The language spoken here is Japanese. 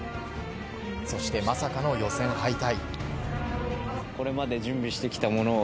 そしてまさかの予選敗退。